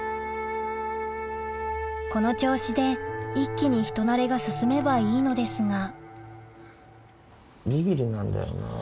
この調子で一気に人なれが進めばいいのですがビビリなんだよな。